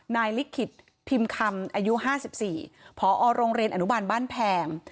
ลิขิตพิมพ์คำอายุ๕๔พอโรงเรียนอนุบาลบ้านแพง